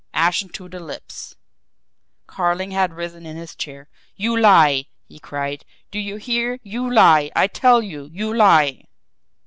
Ashen to the lips, Carling had risen in his chair. "You lie!" he cried. "Do you hear! You lie! I tell you, you lie!"